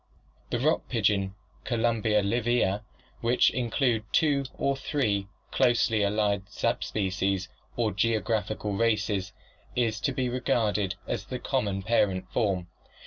(See PL I.) The rock pigeon, Columba livia> which includes two or three closely allied subspecies or geographical races, is to be regarded as the common parent form.